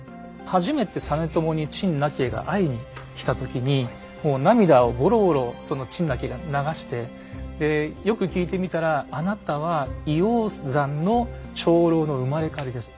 初めて実朝に陳和が会いに来た時に涙をぼろぼろその陳和が流してでよく聞いてみたらあなたは医王山の長老の生まれ変わりです。